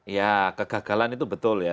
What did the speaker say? ya kegagalan itu betul ya